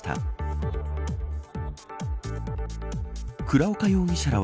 倉岡容疑者ら